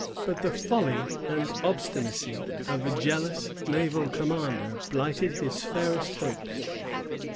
But the folly and obstinacy of a jealous naval commander blighted his fairest hopes.